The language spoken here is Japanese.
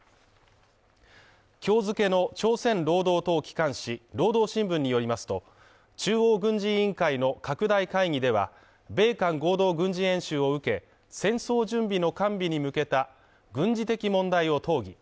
今日付の朝鮮労働党機関紙「労働新聞」によりますと、中央軍事委員会の拡大会議では、米韓合同軍事演習を受け、戦争準備の完備に向けた軍事的問題を討議。